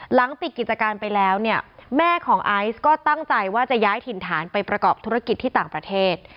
หลังปิดกิจการไปแล้วเนี่ยแม่ของไอซ์ก็ตั้งใจว่าจะย้ายถิ่นฐานไปประกอบธุรกิจที่ต่างประเทศ